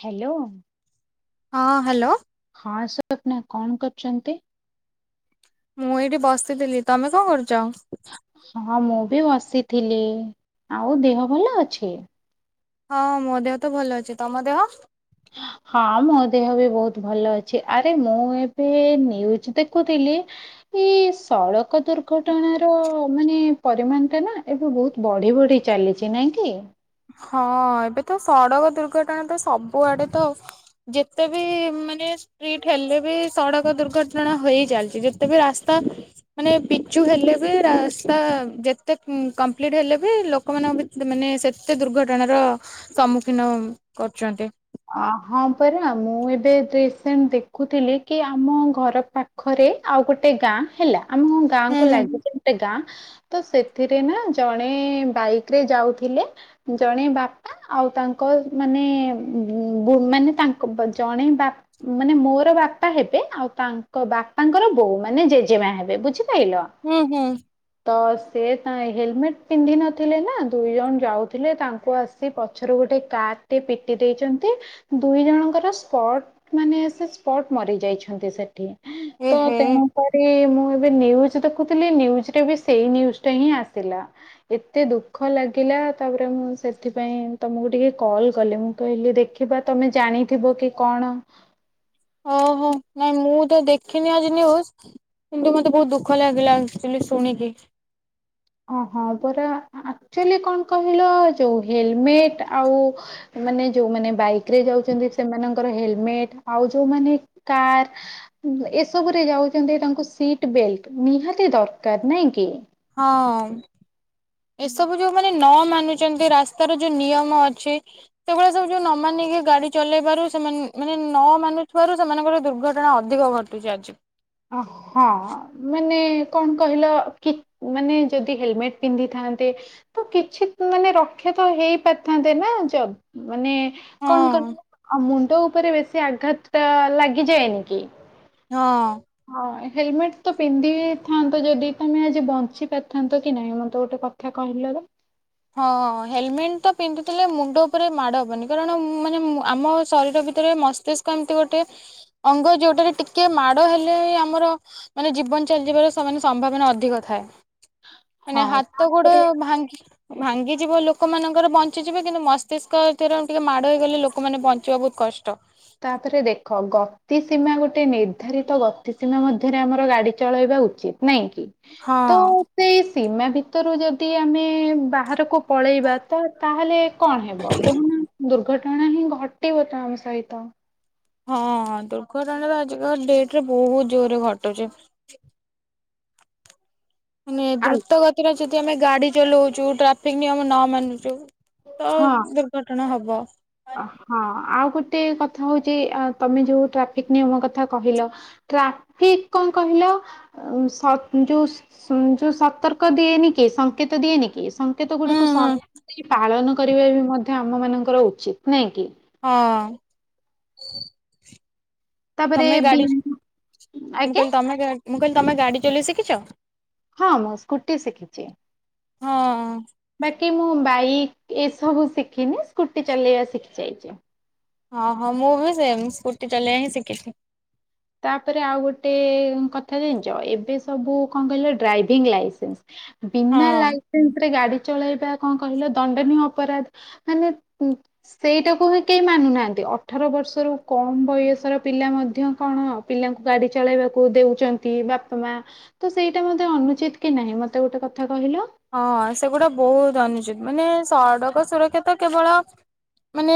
Hello? ହଁ hello? ହଁ [unintelligible] କଣ କରୁଚନ୍ତି? ମୁଁ ଏଇଠି ବସିଥିଲି ତମେ କଣ କରୁଚ? ହଁ ମୁଁବି ବସିଥିଲି ଆଉ ଦେହ ଭଲ ଅଛି? ହଁ ମୋ ଦେହତ ଭଲ ଅଛି ତମ ଦେହ? [inaudible] ହଁ ମୋଦେହବି ବହୁତ୍ ଭଲ ଅଛି ଆରେ ମୁଏବେ ନ୍ୟୁଜ୍ ଦେଖୁଥିଲି। ଏଇ ସଡ଼କ ଦୁର୍ଘଟଣାର ମାନେ ପରିମାଣଟାନା ଏବେ ବହୁତ୍ ବଢି ବଢି ଚାଲିଚି ନାଇଁକି? ହଁ ଏବେତ ସଡ଼କ ଦୁର୍ଘଟଣାତ ସବୁଆଡ଼େତ। ଯେତେବି ମାନେ ିଟ ହେଲେବି ସଡ଼କ ଦୁର୍ଘଟଣା ହେଇ ଚାଲିଚି ଯେତେବି ରାସ୍ତା ମାନେ ପିଚୁ ହେଲେବି ରାସ୍ତା ଯେତେ କମ୍ପ୍ଲିଟ ହେଲେବି ଲୋକମାନଙ୍କ ମାନେ ସେ ଏତେ ଦୁର୍ଘଟଣ ର ସମ୍ମୁଖୀନ କରୁଛନ୍ତି। ଅ ହଁ ପରା ମୁଁ ଏବେ ରିସେଣ୍ତେ ଦେଖୁଥିଲିକି ଆମ ଘର ପା ଖରେ ଆଉ ଗୋଟେ ଗାଁ ହେଲା ଆମ ହୁଁ ଗାଁକୁ ହୁଁ ଲାଗିଚି। ଗାଁ ତସେଥିରେନା ଜଣେ ବାଇକିରେ ଯାଉଥିଲେ ଜଣେ ବାପା ଆଉ ତାଙ୍କ ମାନେ ଉ ବ ମାନେ ତାଙ୍କ ଜଣେ ବା ମାନେ ମୋର ବାପା ହେବେ ଆଉ ତାଙ୍କ ବାପାଙ୍କର ବୋଉ ମାନେ ଜେଜେମା ହେବେ ବୁଝିପାରିଲ? ହୁଁ ହୁଁ। ତ ସେ ତା ହେଲମେଟ୍ ପିନ୍ଧି ନଥିଲେନା ଦୁଇ ଜଣ ଯାଉଥିଲେ ତାଙ୍କୁ ଆସି ସେ ପଛରୁ ଗୋଟେ କାର୍ ଟେ ପି ପିଟି ଦେଇଛନ୍ତି ଦୁଇ ଜଣଙ୍କର ସ୍ପଟ ମାନେ ସେ ସ୍ପଟ ମରିଯାଇଛନ୍ତି ସେଠି। ଏ ତ ହେ ତେଣୁ ପରେ ମୁଁ ଏବେ ନ୍ୟୁଜ ଦେଖୁଥିଲି ନ୍ୟୁଜୁରେବି ସେଇ ନ୍ୟୁଜ୍ ଟାହିଁ ଆସିଲା। ଏତେ ଦୁଃଖ ଲାଗିଲା ତାପରେ ମୁଁ ସେଥିପାଇଁ ତମକୁ ଟିକେ କଲ୍ କଲି ମୁଁ କହିଲି ଦେଖିବା ତମେ ଜାଣିଥିବକି କଣ [inaudible] ହ ନାଇଁ ମୁଁତ ଦେଖିନି ଆଜି ନ୍ୟୁଜ୍ କିନ୍ତୁ ମତେ ବହୁତ୍ ଦୁଃଖ ଲାଗିଲା ଶୁଣିକି। ଅଁ ହଁ ପରା ଆକ୍ଚୁଲି କଣ କହିଲ ଯୋଉ ହେଲମେଟ୍ ଆଉ ମାନେ ଯୋଉମାନେ ବାଇକ ରେ ଯାଉଚନ୍ତି ସେମାନଙ୍କର ହେଲମେଟ୍ ଆଉ ଯୋଉମାନେ କାର୍ ଏସବୁରେ ଯାଉଚନ୍ତି ତାଙ୍କୁ ସିଟ୍ ବେଲ୍ଟ୍ ନିହାତି ଦରକାର ନାଇଁକି? ହଁ ଏସବୁ ଯୋଉ ମାନେ ନ ମାନୁଚନ୍ତି ରାସ୍ତାରେ ଯୋଉ ନିୟମ ଅଛି। ସେବେଳିଆ ସବୁ ଯୋଉ ନମାନିକି ଗାଡ଼ି ଚଲେଇବାରୁ ସେମାନେ ମାନେ ନମାନୁଥିବାରୁ ସେମାନଙ୍କର ଦୁର୍ଘଟଣା ଅଧିକ ଘଟୁ [unintelligible] ଅ ହଁ ମାନେ କଣ କହିଲ କି ମାନେ ଯଦି ହେଲମେଟ୍ ପିନ୍ଧିଥାନ୍ତେ ତକିଛି ମାନେ ରକ୍ଷାତ ହେଇ ପାରିଥାନ୍ତେନା ଯ ମାନେ ହଁ କଣ କହିଲ ଆ ମୁଣ୍ଡ ଉପରେ ବେଶୀ ଆଘାତଟା ଲାଗିଯାଏନିକି? ହଁ। ହଁ ହେଲମେଟ୍ ତ ପିନ୍ଧିଥାନ୍ତ ଯଦି ତମେ ଆଜି ବଞ୍ଚି ପାରିଥାନ୍ତକି ନାହିଁ ମତେ ଗୋଟେ କଥା କଥା କହିଲ ଏବେ। ହଁ ହେଲେମେଟେତ ପିନ୍ଧୁଥିଲେ ମୁଣ୍ଡ ଉପରେ ମାଡ଼ ହବନି କାରଣ ମାନେ ଆମ ଶରୀର ଭିତରେ ମସ୍ ମସ୍ତିଷ୍କ ଏମିତି ଗୋଟେ ଅଙ୍ଗ ଯୋଉଟାରେ ଟିକେ ମାଡ଼ ହେଲେ ଆମର ମାନେ ଜୀବନ ଚାଲିଯିବାର ମାନେ ସମ୍ଭାବନା ଅଧିକ ଥାଏ। ଏଇନେ ହଁ ହାତ ଗୋଡ଼ ତାପରେ ଭାଙ୍ଗି ଭାଙ୍ଗିଯିବ ଲୋକମାନଙ୍କର ବଞ୍ଚିଯିବେ କିନ୍ତୁ ମସ୍ତିଷ୍କ ଭିତର ଟିକେ ମାଡ଼ ହେଇଗଲେ ଲୋକମାନେ ବଞ୍ଚିବା ବୋହୁତ କଷ୍ଟ। ତାପରେ ଦେଖ ଗତି ସୀମା ଗୋଟେ ନିର୍ଦ୍ଧାରିତ ଗତି ସୀମା ମଧ୍ୟରେ ଆମର ଗାଡ଼ି ଚଳାଇବା ଉଚିତ୍। ନାଇଁ କି? ତ ହଁ। ସେଇ ସୀମା ଭିତରୁ ଯଦି ଆମେ ବାହାରକୁ ପଳେଇବା ତ ତାହେଲେ କଣ ହେବ? କଣ ଦୁର୍ଘଟଣା ହିଁ ଘଟଟିିବ ତ ଆମସହିତ। ହଁ ହଁ ଦୁର୍ଘଟଣା ତ ଆଜିକା ଡେଟ ରେ ବୋହୁତ ଜୋରରେ ଘଟୁଛି। ମାନେ ଆ- ଦ୍ରୁତ ଗତିରେ ଯଦି ଆମେ ଗାଡ଼ି ଚଲଉଚୁ ଟ୍ରାଫିକ୍ ନିୟମ ନ ମାନୁଚୁ। ତ ହଁ ଦୁର୍ଘଟଣା ହବ। ଅ ହଁ ଆଉ ଗୋଟେ କଥା ହଉଛି ଆ ତମେ ଯୋଉ ଟ୍ରାଫିକ୍ ନିୟମ କଥା କହିଲ। ଟ୍ରାଫିକ୍ କଣ କହିଲ ଆଉ ସ ଯୋଉ [unintelligible] ଯୋଉ ସତର୍କ ଦିଏନି କି ସଂଙ୍କେତ ଦିଏନି କି ସଂଙ୍କେତ ହୁଁ ଗୁଡ଼ିକୁ ହୁଁ। ସମାନ୍ ପାଳନ କରିବା ବି ମଧ୍ୟ ଆମ ମାନଙ୍କର ଉଚିତ୍ ନାଇଁ କି? ହଁ। ତାପରେ ତମେ ବି ଗାଡ଼ି ମୁଁ ଆଜ୍ଞା କହିଲି ତମେ ଗା ମୁଁ କହିଲି ତମେ ଗାଡ଼ି ଚଲେଇ ଶିଖିଛ? ହଁ ମୁଁ ସ୍କୁଟି ଶିଖିଛି। ହଁ। ବାକି ମୁଁ ବାଇକ୍ ଏସବୁ ଶିଖିନି ସ୍କୁଟି ଚଲେଇବା ଶିଖି ଯାଇଛି। ହଁ ହଁ ମୁଁ ବି ସେମ୍ ସ୍କୁଟି ଚଲେଇ ହିଁ ଶିଖିଛିି। ତାପରେ ଆଉ ଗୋଟେ କଥା ଜାଣିଛ ଏବେ ସବୁ କଣ କହିଲ ଡ୍ରାଇଭିଂ ଲାଇସେନ୍ସ। ବିନା ହଁ। ଲାଇ ସେନ୍ସରେ ଗାଡ଼ି ଚଳାଇବା କଣ କହିଲ ଦଣ୍ଡନୀୟ ଅପରାଧ ମାନେ ଉଁ ସେଇଟାକୁ ହିଁ କେହି ମାନୁନାହାନ୍ତି। ଅଠର ବର୍ଷରୁ କମ୍ ବୟସର ପିଲା ମଧ୍ୟ କଣ ପିଲାଙ୍କୁ ଗାଡି ଚଳାଇବାକୁ ଦେଉଛନ୍ତି ବାପା, ମା‌। ତ ସେଇଟା ମଧ୍ଯ ଅନୁଚିତ କି ନାହିଁ ମତେ ଗୋଟେ କଥା କହିଲ? ହଁ ସେଗୁଡ଼ା ବୋହୁତ ଅନୁଚିତ ମାନେ ସଡ଼କ ସୁରକ୍ଷା ତ କେବଳ ମାନେ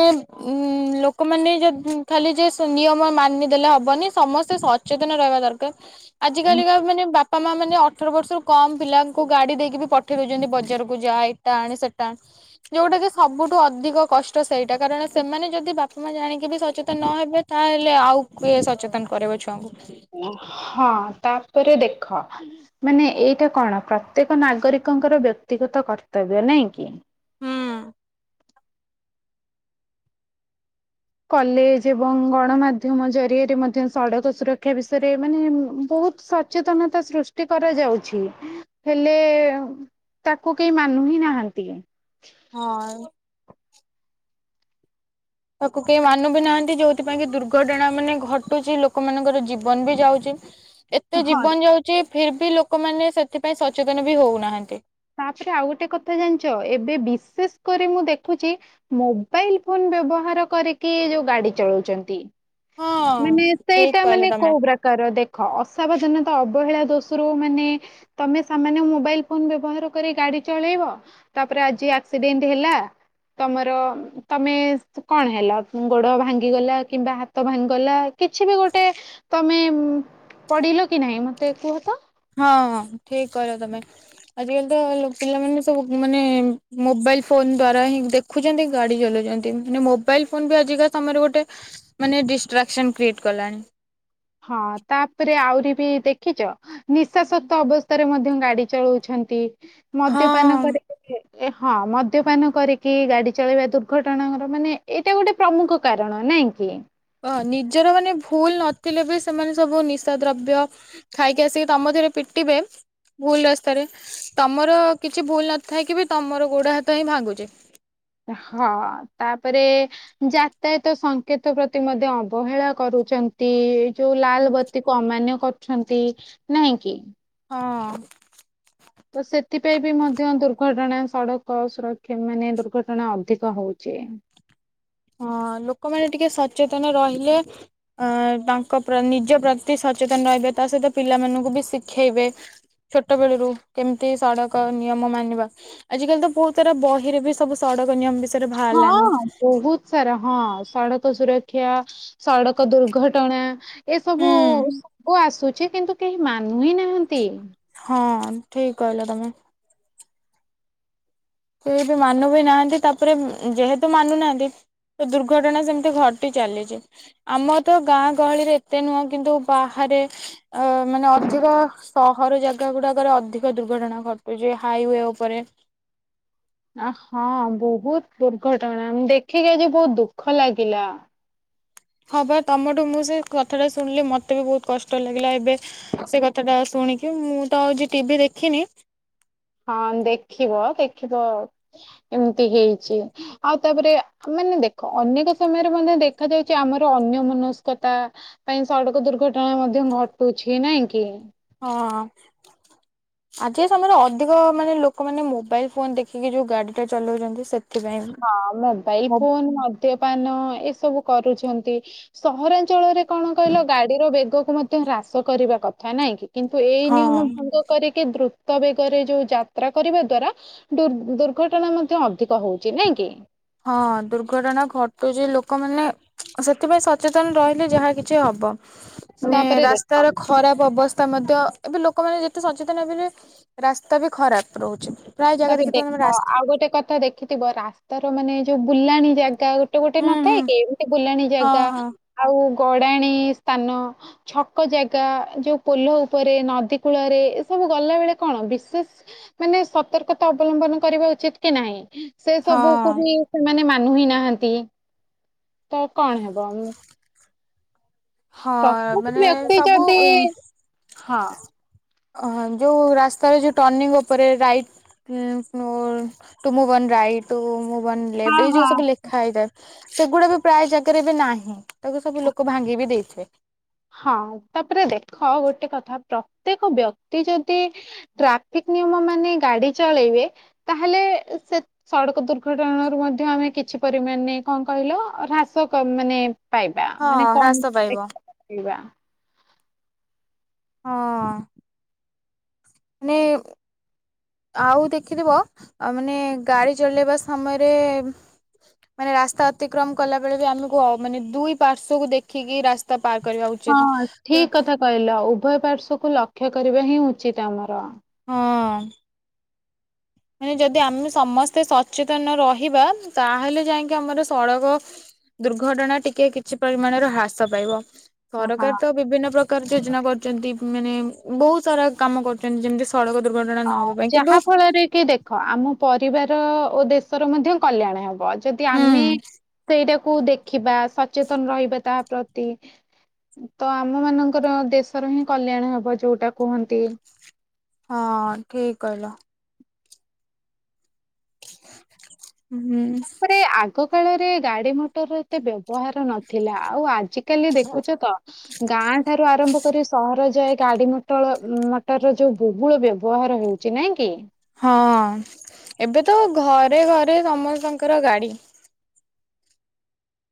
ଉଁ ଲୋକମାନେ ଯଦି ଖାଲି ଯେ ସ୍ ନିୟମ ମାନିଦେଲେ ହବନି ସମସ୍ତେ ସ ଚେତନ ରହିବା ଦରକାର। ଆଜି କାଲିକା ମାନେ ବାପା ମା ମାନେ ଅଠର ବର୍ଷରୁ କମ ପିଲାଙ୍କୁ ଗାଡ଼ି ଦେଇକି ବି ପ ଠେଇ ଦଉଛନ୍ତି ବଜାରକୁ ଯାହା ଏଟା ଆଣେ ସେଟା ଆଣେ‌। ଯୋଉଟା କି ସବୁଠୁ ଅଧିକ କଷ୍ଟ ସେଇଟା କାରଣ ସେମାନେ ଯଦି ବାପା ମା ଜାଣିକି ବି ସଚେତନ ହେବେ ତାହଲେ ଆଉ କିଏ ସଚେତନ କରେଇବ ଛୁଆଙ୍କୁ। ହଁ ତାପରେ ଦେଖ ମାନେ ଏଇଟା କଣ ପ୍ରତ୍ୟେକ ନାଗରିକଙ୍କର ବ୍ୟକ୍ତିଗତ କର୍ତ୍ତବ୍ୟ ନାଇଁ କି? ହୁଁ କଲେଜ ଏବଂ ଗଣମାଧ୍ୟମ ଜରିଆରେ ମଧ୍ୟ ସଡ଼କ ସୁରକ୍ଷା ବିଷୟରେ ମାନେ [unintelligible] ବୋହୁତ ସ ଚେତନତା ସୃଷ୍ଟି କରାଯାଉଛି ହେଲେ ଉଁ ତାକୁ କେହି ମାନୁ ହିଁ ନାହାନ୍ତି। ହଁ। ତାକୁ କେହି ମାନୁ ବି ନାହାନ୍ତି ଯୋଉଥିପାଇଁ କି ଦୁର୍ଘଟଣା ମାନେ ଘଟୁଛି ଲୋକମାନଙ୍କର ଜୀବନ ବି ଯାଉଛି। ତ ହଁ ଜୀବନ ଯାଉଛି ଫିର୍ ବି ଲୋକମାନେ ସେଥିପାଇଁ ସଚେତନ ବି ହଉନାହାନ୍ତି। ତାପରେ ଆଉ ଗୋଟେ କଥା ଜାଣିଛ ଏବେ ବିଶେଷ କରି ମୁଁ ଦେଖୁଛି ମୋବାଇ୍ ଫୋନ୍ ବ୍ୟବହାର କରିକି ଯୋଉ ଗାଡ଼ି ଚଳଉଛନ୍ତି। ହଁ ମାନେ ଠିକ ସେଇଟା କହିଲ ମାନେ ତମେ କୋଉ ବ୍ରା କାର ଦେଖ ଅସାବଧାନତା ଅବହେଳା ଦୋଷରୁ ମାନେ ତମେ ସାମାନ୍ୟ ମୋବାଇଲ ଫୋନ୍ ବ୍ୟ ବହାର କରି ଗାଡ଼ି ଚଳେଇବ ତାପରେ ଆଜି ଆକ୍ସିଡେଣ୍ଟ ହେଲା ତମର ଉଁ ତମେ [unintelligible] କଣ ହେଲ ଗୋଡ଼ ଭାଙ୍ଗିଗଲା କିମ୍ବା ହା ତ ଭାଙ୍ଗିଗଲା କିଛି ବି ଗୋଟେ ତମେ ଉଁ ପଡ଼ିଲ କି ନାହିଁ ମତେ କୁହ ତ? ହଁ ଠିକ୍ କହିଲ ତମେ। ଆଜିକାଲି ତ ପିଲାମାନେ ସବୁ ମାନେ ମୋବାଇଲ ଫୋନ ଦ୍ଵାରା ହିଁ ଦେଖ୍ ଦେଖୁଛନ୍ତି ଗାଡି ଚଲଉଛନ୍ତି। ମାନେ ମୋବାଇଲ ଫୋନ୍ ବି ଆଜିକା ସମୟରେ ଗୋଟେ ମାନେ ଡିଷ୍ଟ୍ରାକ୍ସନ୍ କ୍ରିଏଟ୍ କଲାଣି। ହଁ ତାପରେ ଆହୁରି ବି ଦେଖିଚ ନିଶାସକ୍ତ ଅବସ୍ଥାରେ ମଧ୍ୟ ଗାଡି ଚଳଉଛନ୍ତି। ମଦ୍ୟପାନ ହଁ। କରି ଏ ହଁ। ମଦ୍ୟପାନ କରିକି ଗାଡି ଚଳେଇବା ଦୁର୍ଘଟଣାଙ୍କର ମାନେ ଏଇଟା ଗୋଟେ ପ୍ରମୁଖ କାରଣ ନାଇଁ କି। ହ ନିଜର ମାନେ ଭୁଲ ନଥିଲେ ବି ସେମାନେ ସବୁ ନିଶା ଦ୍ରବ୍ୟ ଖାଇକି ଆସିକି ତମଥିରେ ପିଟିବେ ଭୁଲ ରାସ୍ତାରେ, ତମର କିଛି ଭୁଲ ନଥାଇକି ବି ତମର ଗୋଡ ହାତ ହିଁ ଭାଙ୍ଗୁଚି। ହଁ। ତାପରେ ଯାତାୟତ ସଂକେତ ପ୍ରତି ମଧ୍ୟ ଅବହେଳା କରୁଚନ୍ତି। ଯୋଉ ଲାଲବତୀକୁୁ ଅମାନ୍ୟ କରୁଛନ୍ତି। ନାଇଁ କି। ହଁ। ତ ସେଥିପାଇଁ ବି ମଧ୍ୟ ଦୁର୍ଘଟଣା ସଡକ ସୁରକ୍ଷା ମାନେ ଦୁର୍ଘଟଣା ଅଧିକ ହଉଚି। ହଁ ଲୋକମାନେ ଟିକେ ସଚେତନ ରହିଲେ ଅ ତାଙ୍କ ନିଜ ପ୍ରତି ସଚେତନ ରହିବେ। ତା ସହିତ ପିଲାମାନଙ୍କୁ ବି ଶିଖେଇବେ। ଛୋଟବେଳରୁ କେମିତି ସଡ଼କ ନିୟମ ମାନିବା। ଆଜିକାଲି ତ ବହୁତ ସାରା ବହିରେ ବି ସବୁ ସଡକ ନିୟମ ବିଷୟରେ ହଁ ବାହାରିଲାଣି। ବହୁତ ସାରା ହଁ। ସଡ଼କ ସୁରକ୍ଷା ସଡ଼କ ଦୁର୍ଘଟଣା। ଏସବୁ ହୁଁ ସବୁ ଆସୁଛି କିନ୍ତୁ କେହି ମାନୁ ହିଁ ନାହାନ୍ତି। ହଁ ଠିକ କହିଲ ତମେ। କେହିଁ ବି ମାନୁ ବି ନାହାନ୍ତି ତାପରେ ଯେହେତୁ ମାନୁନାହାନ୍ତି ତ ଦୁର୍ଘଟଣା ସେମିତି ଘଟି ଚାଲିଛି। ଆମ ତ ଗାଁ ଗହଳିରେ ଏତେ ନୁହଁ କିନ୍ତୁ ବାହାରେ ଅ ମାନେ ଅଧିକ ସହର ଜାଗା ଗୁଡାକରେ ଅଧିକ ଦୁର୍ଘଟଣା ଘଟୁଛି ହାଇୱେ ଉପରେ। ଆ ହଁ ବହୁତ ଦୁର୍ଘଟଣା ଦେଖିକି ଆଜି ବହୁତ ଦୁଃଖ ଲାଗିଲା। ହଁ ବା ତମଠୁ ମୁଁ ସେ କଥାଟା ଶୁଣିଲି ମୋତେ ବି ବହୁତ କଷ୍ଟ ଲାଗିଲା ଏବେ। ସେ କଥା ଟା ଶୁଣିକି ମୁଁ ତ ଆଉ ଯି ଟିଭି ଦେଖିନି। ହଁ ଦେଖିବ ଦେଖିବ ଏମିତି ହେଇଛି। ଆଉ ତାପରେ ମାନେ ଦେଖ ଅନେକ ସମୟରେ ମଧ୍ୟ ଦେଖା ଯାଉଛି ଆମର ଅନ୍ୟ ମନସ୍କତା ପାଇଁ ସଡକ ଦୁର୍ଘଟଣା ମଧ୍ୟ ଘଟୁଛି ନାଇଁ କି ହଁ। ଆଜିିକା ସମୟରେ ଅଧିକ ମାନେ ଲୋକମାନେ ମୋବାଇଲ ଫୋନ ଦେଖିକି ଯୋଉ ଗାଡି ଟା ଚଲାଉଛନ୍ତି ସେ ହଁ ମୋବାଇଲ ଫୋନ ମଦ୍ୟପାନ ଏସବୁ କରୁଛନ୍ତି। ସହରାଞ୍ଚଳରେ କଣ କହିଲ ଗାଡିର ବେଗକୁ ମଧ୍ୟ ହ୍ରାସ କରିବା କଥା ନାଇଁ କି? କିନ୍ତୁ ଏଇ ହଁ ନିୟମ ଭଙ୍ଗ କରିକି ଦ୍ରୁ ତ ବେଗରେ ଯୋଉ ଯାତ୍ରା କରିବା ଦ୍ଵାରା ଦୁ ଦୁର୍ଘଟଣା ମଧ୍ୟ ଅଧିକ ହଉଛି ନାଇଁ କି। ହଁ। ଦୁର୍ଘଟଣା ଘଟୁଛି ଲୋକମାନେ ସେଥିପାଇଁ ସଚେତନ ରହିଲେ ଯାହା କିଛି ହବ ମାନେ ତାପରେ ଦେଖ ରାସ୍ତାର ଖରାପ ଅବସ୍ଥା ମଧ୍ୟ ଏବେ ଲୋକମାନେ ଯେତେ ସଚେତନ ହେବେବି ରାସ୍ତା ବି ଖରାପ ରହୁଛି। ପ୍ରାୟ ଜାଗା ତାପରେ ଦେଖିଥିବ ତମେ ଦେଖ ରାସ୍ତା ଆଉ ଗୋଟେ କଥା ଦେ ଦେଖିଥିବ ରାସ୍ତାର ମାନେ ଯୋଉ ବୁଲାଣି ଜାଗା ଗୋଟେ ଗୋଟେ ହୁଁ ହୁଁ ନଥାଏ କି ଏମିତି ବୁଲାଣି ହଁ ଜାଗା, ହଁ। ଆଉ ଗଡ଼ାଣୀ ସ୍ଥାନ, ଛକ ଜାଗା ଯୋଉ ପୋଲ ଉପରେ ନଦୀ କୂଳରେ ଏ ସବୁ ଗଲା ବେଳେ କଣ ବିଶେଷ ମାନେ ସତର୍କତା ଅବଲମ୍ବନ କରିବା ଉଚିତ କି ନାହିଁ ସେ ସବୁକୁ ହଁ ହିଁ ସେମାନେ ମାନୁ ହି ନାହାନ୍ତି ତ କଣ ହବ ଉ ହଁ ପ୍ରତ୍ୟେକ ମାନେ ବ୍ୟକ୍ତି ସବୁ ଯଦି ଉ ହଁ ଅହ ଯୋଉ ରାସ୍ତାରେ ଯଉ ଟର୍ଣ୍ନଣିଂ ଉପରେ ରାଇଟ୍ [unintelligible] ଲେ ଏବେ ଏଇ ହଁ ଯୋଉ ହଁ ସବୁ ଲେଖା ହେଇଥାଏ ସେଗୁଡା ବି ପ୍ରାୟ ଜାଗାରେ ବି ନାହିଁ ତାକୁ ସବୁ ଲୋକ ଭାଙ୍ଗି ବି ଦେଇ ଠିକ୍। ହଁ ତାପରେ ଦେଖ ଗୋଟେ କଥା ପ୍ରତ୍ୟେକ ବ୍ୟକ୍ତି ଯଦି ଟ୍ରାଫିକ ନିୟମ ମାନି ଗାଡି ଚଳେଇବେ ତାହଲେ ଏ ସେ ସଡ଼କ ଦୁର୍ଘଟଣା ରୁ ମଧ୍ୟ ଆମେ କିଛି ପରିମାଣେ କଣ କହିଲ ହ୍ରାସ କ ମାନେ ପାଇବା ହଁ ମାନେ କମ୍ ହ୍ରାସ ପାଇବ। [unintelligible] ହଁ। [unintelligible] ନେ ଆଉ ଦେଖିଥିବ ମାନେ ଗାଡି ଚଲେଇବା ସମୟରେ ମାନେ ରାସ୍ତା ଅତିକ୍ରମ କଲା ବେଳେ ବି ଆମକୁ ଅ ମାନେ ଦୁଇ ପାର୍ଶ୍କୁ କୁ ଦେଖି ଦେଖିକି ରାସ୍ତା ପାର କରିବା ହଁ ଉଚିତ। ଠିକ କଥା କହିଲ ଉଭୟ ପାଶ୍ୱକୁ ଲକ୍ଷ୍ୟ କରିବା ହିଁ ଉଚିତ ଆମର। ହଁ ଅ - ମାନେ ଯଦି ଆମେ ସମସ୍ତେ ସଚେତନ ରହିବା ତାହେଲେ ଯାଇକି ଆମର ସଡ଼କ ଦୁର୍ଘଟଣା ଟିକେ କିଛି ପରିମାଣରେ ହ୍ରାସ ପାଇବ। ହଁ ସରକାର ତ ବିଭିନ୍ନ ପ୍ରକାର ଯୋଜନା କରୁଛନ୍ତି ମାନେ ବହୁତ ସାରା କାମ କରୁ ଛନ୍ତି ଯେମିତି ସଡକ ଦୁର୍ଘଟଣା ନହବା ପାଇଁ ଯାହା କିନ୍ତୁ ଫଳରେ ଦେଖ ଆମ ପରିବାର ଓ ଦେଶର ମଧ୍ୟ କଲ୍ୟାଣ ହେବ। ଯଦି ହୁଁ ଆମେ ସେଇଟାକୁ ଦେଖିବା ସଚେତନ ରହିବା ତା ପ୍ରତି ତ ଆମ ମାନଙ୍କର ଦେଶର ହିଁ କଲ୍ୟାଣ ହବ ଯୋଉଟା କୁହନ୍ତି। ହଁ ଠିକ୍ କହିଲ। ହୁଁ। ତାପରେ ଆଗ କାଳରେ ଗାଡି ମଟର ଏତେ ବ୍ୟବହାର ନଥିଲା। ଆଉ ଆଜିିକାଲି ଦେଖୁଛ ତ ଗାଁ ଠାରୁ ଆରମ୍ଭ କରି ସହର ଯାଏ ଗାଡି ମଟଳ ମଟର ର ଯୋଉ ବହୁଳ ବ୍ୟବହାର ହେଉ ଚି ନାଇଁ କି। ହଁ। ଏବେ ତ ଘରେ ଘରେ ସମସ୍ତଙ୍କର ଗାଡି।